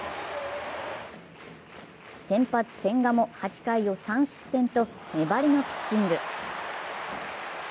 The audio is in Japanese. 先発・千賀も８回を３失点と粘りのピッチング。